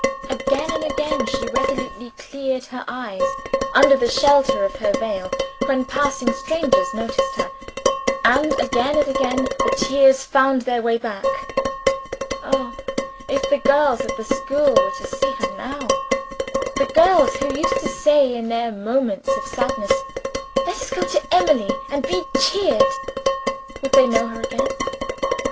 Again and again she resolutely cleared her eyes, under the shelter of her veil, when passing strangers noticed her; and again and again the tears found their way back. Oh, if the girls at the school were to see her now the girls who used to say in their moments of sadness, "Let us go to Emily and be cheered" would they know her again?